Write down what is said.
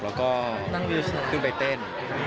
แล้วก็ขึ้นไปเต้น